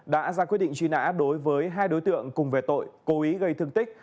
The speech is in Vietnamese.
đã ra quyết định truy nã đối với hai đối tượng cùng về tội cố ý gây thương tích